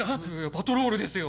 パトロールですよ